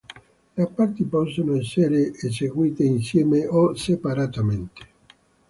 Le parti possono essere eseguite insieme, o separatamente.